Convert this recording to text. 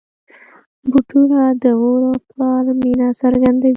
بوټونه د مور او پلار مینه څرګندوي.